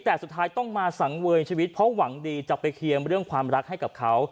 แต่สุดท้ายต้องมาสังเวยชีวิตเพราะหวังดีจะไปเคลียร์เรื่องความรักให้กับเขา